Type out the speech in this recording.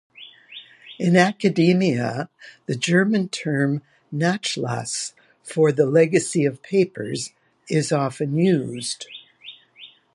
In academia, the German term "Nachlass" for the legacy of papers is often used.